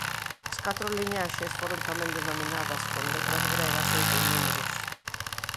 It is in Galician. As catro liñaxes foron tamén denominadas con letras gregas ou con números.